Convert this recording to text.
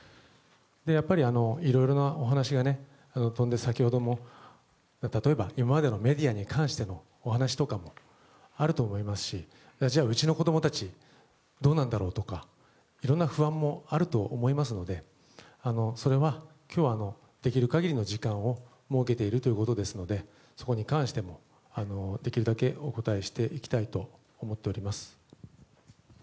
やっぱりいろいろなお話が先ほども今までのメディアに関してのお話とかもあると思いますしうちの子供たちどうなんだろうとかいろんな不安もあると思いますのでそれは今日はできる限りの時間を設けているということですのでそこに関してもできるだけお答えしていきたいと思っております。